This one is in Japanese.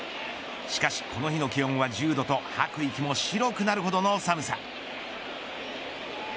しかし、この日の気温は１０度と吐く息も白くなるほどの寒さ。